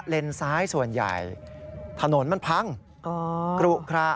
ซ้ายส่วนใหญ่ถนนมันพังกรุคระ